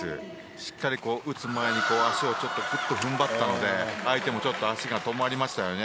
しっかり打つ前に足をちょっとぐっと踏ん張ったので相手もちょっと足が止まりましたよね。